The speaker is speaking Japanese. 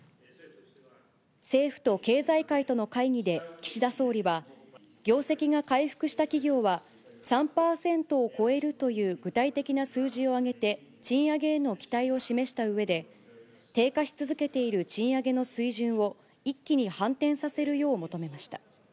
政府と経済界との会議で岸田総理は、業績が回復した企業は、３％を超えるという具体的な数字を挙げて、賃上げへの期待を示したうえで、低下し続けている賃上げの水準を一気に反転させるよう求めました。